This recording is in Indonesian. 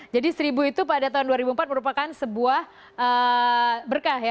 jadi seribu itu pada tahun dua ribu empat merupakan sebuah berkah